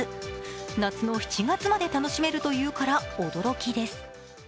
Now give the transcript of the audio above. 夏の７月まで楽しめるというから驚きです。